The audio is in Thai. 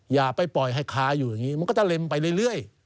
อย่าไปปล่อยให้ค้าอยู่อย่างนี้มันก็จะเล็มไปเรื่อย